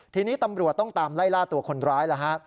ทีนี้ตำรวจต้องตามไล่ล่าตัวคนร้ายแล้วฮะ